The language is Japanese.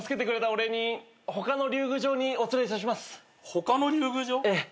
他の竜宮城？ええ。